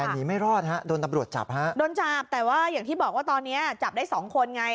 แต่หนีไม่รอดฮะโดนตำรวจจับฮะโดนจับแต่ว่าอย่างที่บอกว่าตอนเนี้ยจับได้สองคนไง